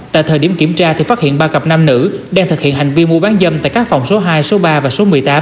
tại thời điểm kiểm tra thì phát hiện ba cặp nam nữ đang thực hiện hành vi mua bán dâm tại các phòng số hai số ba và số một mươi tám